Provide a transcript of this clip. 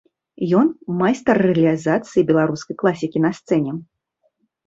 Ён майстар рэалізацыі беларускай класікі на сцэне.